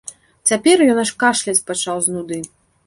Цяпер ён аж кашляць пачаў з нуды.